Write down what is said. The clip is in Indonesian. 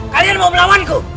kalian mau melawanku